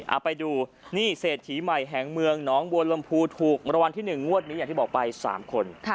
เอาไปดูนี่เศรษฐีใหม่แห่งเมืองหนองบัวลำพูถูกมรวรรณที่๑งวดนี้อย่างที่บอกไป๓คน